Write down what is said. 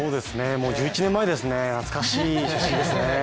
もう１１年前ですね懐かしい写真ですね。